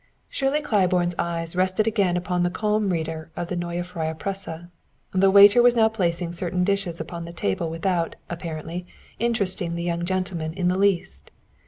Shirley Claiborne's eyes rested again upon the calm reader of the Neue Freie Presse. The waiter was now placing certain dishes upon the table without, apparently, interesting the young gentleman in the least.